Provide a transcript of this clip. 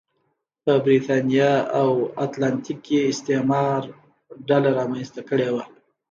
په برېتانیا او اتلانتیک کې استعمار ډله رامنځته کړې وه.